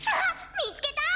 みつけた！